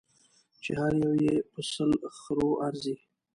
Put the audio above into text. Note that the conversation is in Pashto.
چې هر یو یې په سلو خرو ارزي.